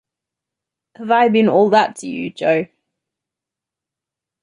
Have I been all that to you, Jo?